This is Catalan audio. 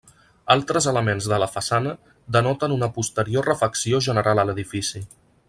Altres elements de la façana denoten una posterior refacció general a l'edifici.